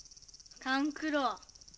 勘九郎。